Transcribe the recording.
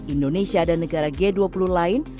indonesia dan negara g dua puluh lain